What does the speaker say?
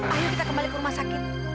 ayo kita kembali ke rumah sakit